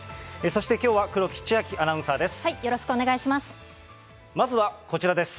そしてきょうは黒木千晶アナウンサーです。